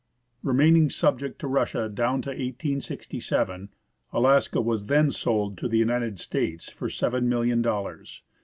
Remaining subject to Russia down to 1867, Alaska was then sold to the United States for seven million dollars.